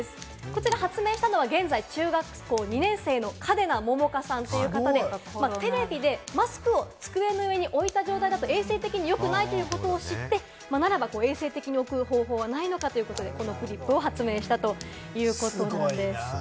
こちら発明したのが現在、中学校２年生の嘉手納杏果さんという方で、テレビでマスクを机の上に置いた状態だと衛生的によくないということを知って、ならば衛生的に置く方法はないのかということでこのクリップを発明したということなんです。